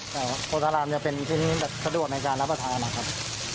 แต่ว่าโพธารามจะเป็นที่นี้สะดวกในการรับอเท้านะครับ